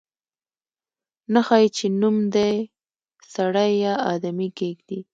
نه ښايي چې نوم دې سړی یا آدمي کېږدي.